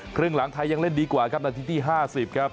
ครึ่งหลังไทยยังเล่นดีกว่าครับนาทีที่๕๐ครับ